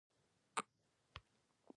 د پنج شنبې ورځ وروستۍ ورځ وه.